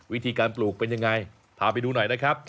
วิธีการปลูกเป็นยังไงพาไปดูหน่อยนะครับ